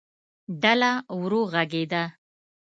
ډله ورو غږېده.